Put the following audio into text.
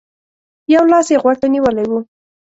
يو لاس يې غوږ ته نيولی و.